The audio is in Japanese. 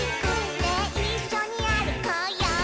「ねえいっしょにあるこうよ」